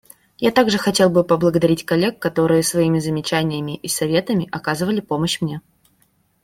Я также хотел бы поблагодарить коллег, которые своими замечаниями и советами оказывали помощь мне.